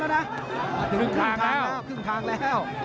อาจจะครึ่งทางแล้วครึ่งทางแล้ว